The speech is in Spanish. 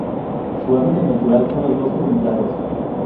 Su hábitat natural son bosques templados.